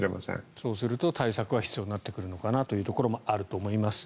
そうすると対策は必要になってくるのかなというところもあると思います。